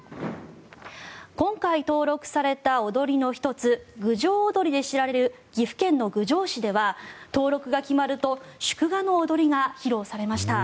今回登録された踊りの１つ郡上踊で知られる岐阜県の郡上市では登録が決まると祝賀の踊りが披露されました。